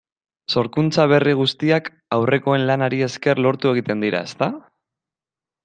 Sorkuntza berri guztiak aurrekoen lanari esker lortu egiten dira, ezta?